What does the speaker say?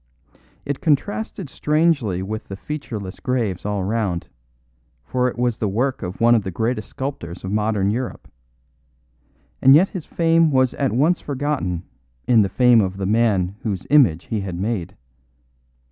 It contrasted strangely with the featureless graves all round, for it was the work of one of the greatest sculptors of modern Europe; and yet his fame was at once forgotten in the fame of the man whose image he had made.